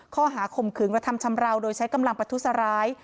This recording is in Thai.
ข้อหาข่มขืนกระทำชำราวโดยใช้กำลังประทุษร้าย